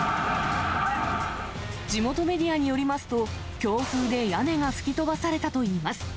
地元メディアによりますと、強風で屋根が吹き飛ばされたといいます。